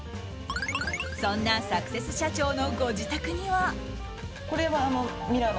そんなサクセス社長のご自宅には。